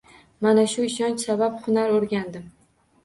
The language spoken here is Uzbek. Mana shu ishonch sabab hunar oʻrgandim.